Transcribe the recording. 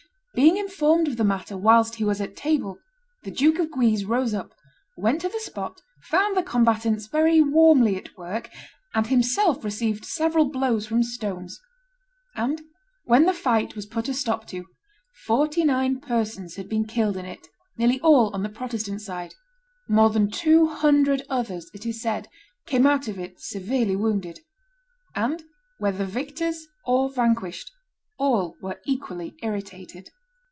Being informed of the matter whilst he was at table, the Duke of Guise rose up, went to the spot, found the combatants very warmly at work, and himself received several blows from stones; and, when the fight was put a stop to, forty nine persons had been killed in it, nearly all on the Protestant side; more than two hundred others, it is said, came out of it severely wounded; and, whether victors or vanquished, all were equally irritated.